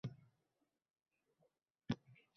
Mehnatlari munosib baholansa edi.